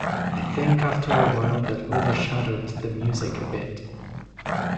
I think after a while that overshadowed the music a bit.